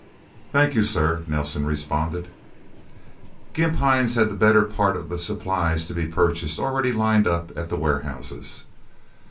"Thank you, sir," Nelsen responded. Gimp Hines had the better part of the supplies to be purchased already lined up at the warehouses.